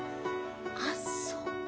あっそう。